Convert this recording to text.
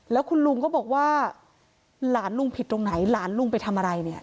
แล้วคุณลุงก็บอกว่าหลานลุงผิดตรงไหนหลานลุงไปทำอะไรเนี่ย